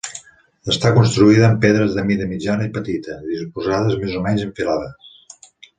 Està construïda amb pedres de mida mitjana i petita, disposades més o menys en filades.